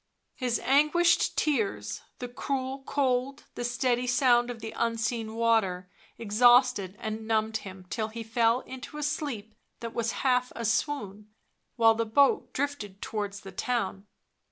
His anguished tears, the cruel cold, the steady sound of the unseen water exhausted and numbed him till he fell into a sleep that was half a swoon, while the boat drifted towards the town.